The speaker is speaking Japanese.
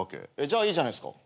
じゃあいいじゃないですか。